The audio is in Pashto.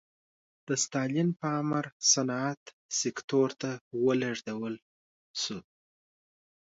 د ستالین په امر صنعت سکتور ته ولېږدول شوې.